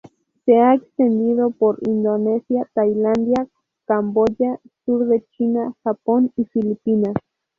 Se han extendido por Indonesia, Tailandia, Camboya, Sur de China, Japón y las Filipinas.